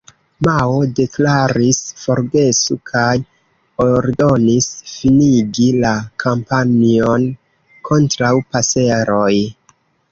Mao deklaris "forgesu", kaj ordonis finigi la kampanjon kontraŭ paseroj.